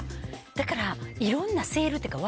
だからいろんなセールというか。